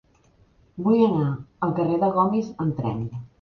Vull anar al carrer de Gomis amb tren.